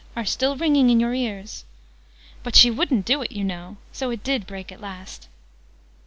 are still ringing in your ears, " but she wouldn't do it, you know. So it did break at last."